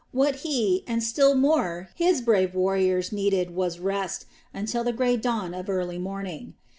What he and still more his brave warriors needed was rest until the grey dawn of early morning.